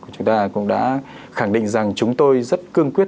chúng ta cũng đã khẳng định rằng chúng tôi rất cương quyết